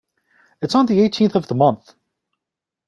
It's on the eighteenth of the month.